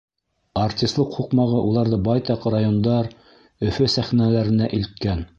Артислыҡ һуҡмағы уларҙы байтаҡ райондар, Өфө сәхнәләренә илткән.